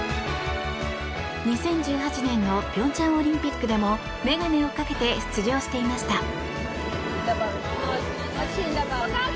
２０１８年の平昌オリンピックでもメガネをかけて出場していました。